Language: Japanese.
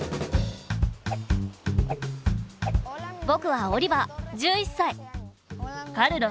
僕はオリバー１１さい。